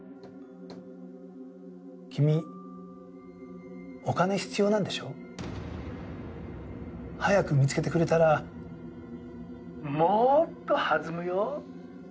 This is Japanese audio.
君お金必要なんでしょ？早く見つけてくれたらもっと弾むよ。